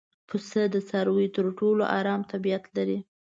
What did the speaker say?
پسه د څارویو تر ټولو ارام طبیعت لري.